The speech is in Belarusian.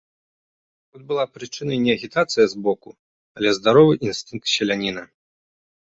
Тут была прычынай не агітацыя збоку, але здаровы інстынкт селяніна.